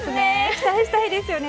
期待したいですよね。